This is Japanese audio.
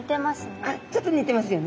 あちょっと似てますよね。